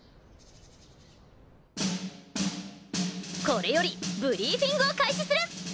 これよりブリーフィングを開始する！